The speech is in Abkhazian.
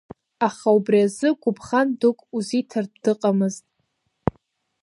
Аха убри азы гәыбӷан дук узиҭартә дыҟамызт.